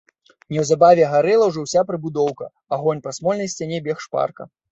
Неўзабаве гарэла ўжо ўся прыбудоўка, агонь па смольнай сцяне бег шпарка.